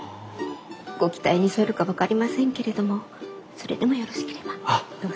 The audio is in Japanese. ご期待に添えるか分かりませんけれどもそれでもよろしければどうぞ。